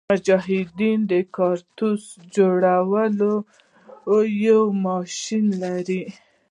مجاهدین د کارتوس جوړولو یو ماشین لري.